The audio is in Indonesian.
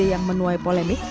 yang menuai polemik